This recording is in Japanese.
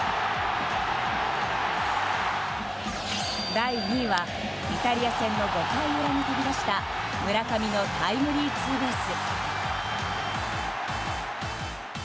第２位は、イタリア戦の５回裏に飛び出した村上のタイムリーツーベース。